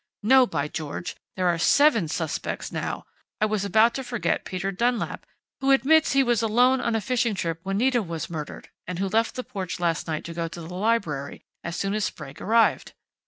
No, by George! There are seven suspects now! I was about to forget Peter Dunlap, who admits he was alone on a fishing trip when Nita was murdered and who left the porch last night to go to the library, as soon as Sprague arrived!...